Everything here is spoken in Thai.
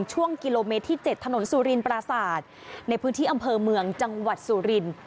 ช่วงกิโลเมตรที่๗ถนนสุรินปราศาสตร์ในพื้นที่อำเภอเมืองจังหวัดสุรินทร์